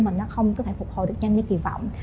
mà nó không có thể phục hồi được nhanh như kỳ vọng